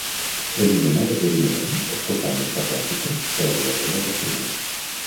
Elimina l'esdeveniment "escoltar música clàssica" de la meva agenda personal.